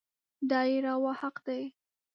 دا يې روا حق دی.